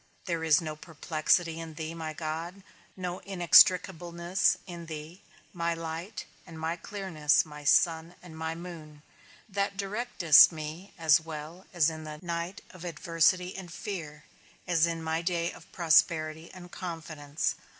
There is no perplexity in thee, my God; no inextricableness in thee, my light and my clearness, my sun and my moon, that directest me as well in the night of adversity and fear, as in my day of prosperity and confidence.